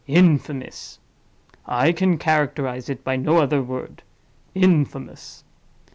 Infamous!—I can characterize it by no other word—infamous!